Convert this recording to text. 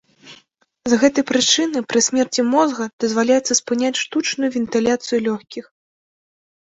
З гэтай прычыны, пры смерці мозга дазваляецца спыняць штучную вентыляцыю лёгкіх.